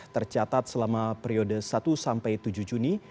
tercatat selama periode satu sampai tujuh juni